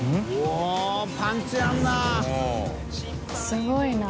すごいな。